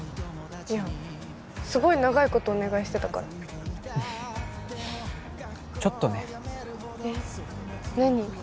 いやすごい長いことお願いしてたからちょっとねえっ何？